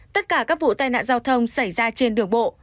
tất cả các vụ tai nạn giao thông xảy ra trên đường bộ